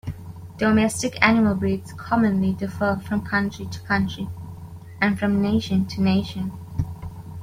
Domestic animal breeds commonly differ from country to country, and from nation to nation.